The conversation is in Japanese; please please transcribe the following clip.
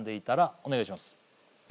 お願いします。